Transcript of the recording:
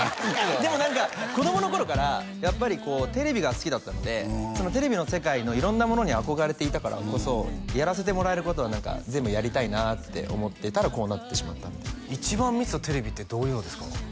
でも何か子供の頃からやっぱりこうテレビが好きだったのでそのテレビの世界の色んなものに憧れていたからこそやらせてもらえることは何か全部やりたいなって思ってたらこうなってしまったみたいな一番見てたテレビってどういうのですか？